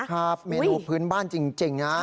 ครับเมนูพื้นบ้านจริงนะ